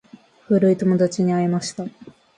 古い友達に会いました。